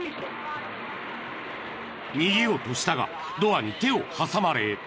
［逃げようとしたがドアに手を挟まれ］